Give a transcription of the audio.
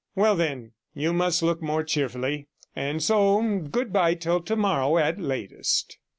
Well, then, you must look more cheerfully; and so goodbye till tomorrow at latest.'